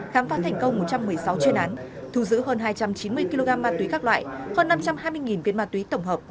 khám phá thành công một trăm một mươi sáu chuyên án thu giữ hơn hai trăm chín mươi kg ma túy các loại hơn năm trăm hai mươi viên ma túy tổng hợp